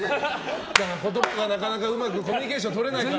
言葉がなかなかうまくコミュニケーション取れないから？